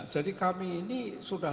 jadi kami ini sudah